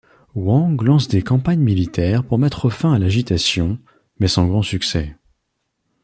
Wang lance des campagnes militaires pour mettre fin à l’agitation, mais sans grand succès.